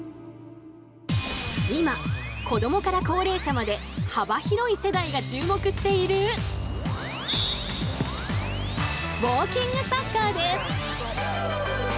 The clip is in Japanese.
今、子どもから高齢者まで幅広い世代が注目しているウォーキングサッカーです。